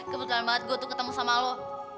kebetulan banget gue tuh ketemu sama lo